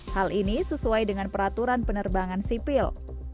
hal ini sesuai dengan peraturan penerbangan sipil